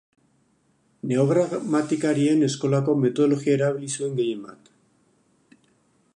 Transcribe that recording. Neogramatikarien eskolako metodologia erabili zuen gehienbat.